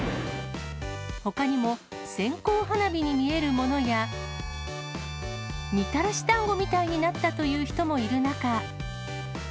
ほかにも線香花火に見えるものや、みたらしだんごみたいになったという人もいる中。